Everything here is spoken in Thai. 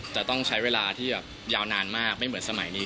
จะต้องใช้เวลาที่แบบยาวนานมากไม่เหมือนสมัยนี้